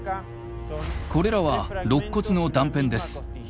これらはろっ骨の断片です。